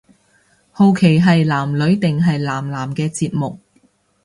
好奇係男女定係男男嘅節目